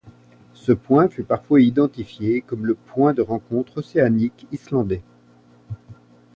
Ce point fut parfois identifiée comme le point de rencontre océanique islandais.